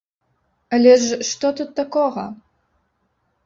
Але ж што тут такога?